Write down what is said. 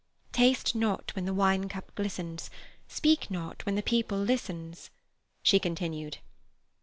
"Taste not when the wine cup glistens, Speak not when the people listens," she continued.